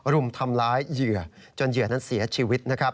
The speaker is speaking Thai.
รุมทำร้ายเหยื่อจนเหยื่อนั้นเสียชีวิตนะครับ